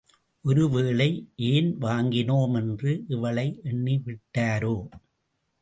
ஒருவேளை, ஏன் வாங்கினோம் என்று இவளை எண்ணிவிட்டாரோ?